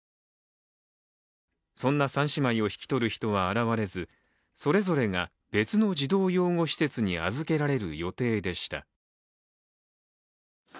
そんな３姉妹を引き取る人は現れずそれぞれが別の児童養護施設に預けられる予定でした。